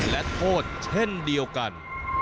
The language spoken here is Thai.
และโทษเช่นเดียวกัน